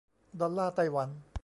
ดอลลาร์ไต้หวัน